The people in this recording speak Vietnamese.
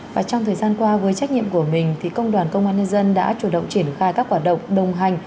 và trong thời gian qua với trách nhiệm của mình thì công đoàn công an nhân dân đã chủ động triển khai các hoạt động đồng hành